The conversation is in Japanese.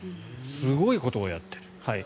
すごいことをやっている。